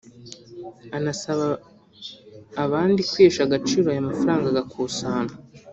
anasaba abandi kwihesha agaciro aya mafaranga agakusanywa